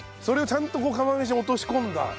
それをちゃんと釜飯に落とし込んだ。